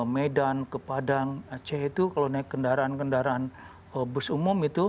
medan ke padang aceh itu kalau naik kendaraan kendaraan bus umum itu